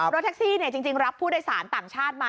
รถแท็กซี่จริงรับผู้โดยสารต่างชาติมา